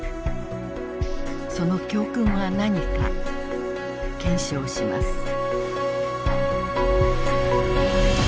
その教訓は何か検証します。